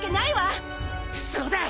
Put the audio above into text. そうだ！